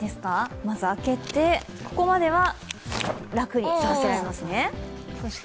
まず開けて、ここまでは楽に差せますね。